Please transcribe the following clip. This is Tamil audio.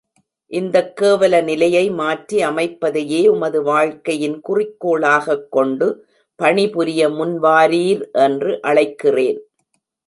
இந்தக் கேவல நிலையை மாற்றி அமைப்பதையே உமது வாழ்க்கையின் குறிக்கோளாகக் கொண்டு பணிபுரிய முன் வாரீர் என்று அழைக்கிறேன்.